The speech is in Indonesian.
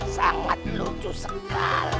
sangat lucu sekali